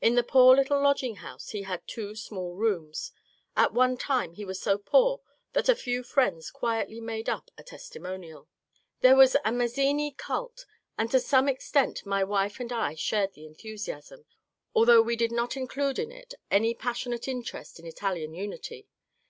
In the poor little lodging house he had two small rooms. At one time he was so poor that a few friends quietly made up a ^^ testimonial." There was a Mazzini cult, and to some extent my wife and I shared the enthusiasm, though we did not include in it any passionate interest in Italian unity.